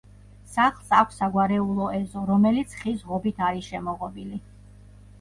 სახლს აქვს საგვარეულო ეზო, რომელიც ხის ღობით არის შემოღობილი.